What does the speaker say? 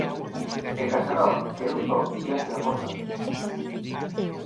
E Casanova quedou só diante da porta aberta;